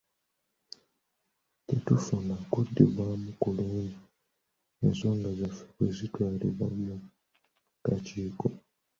Tetufuna kuddibwamu kulungi ensonga zaffe bwe zitwalibwa mu kakiiko.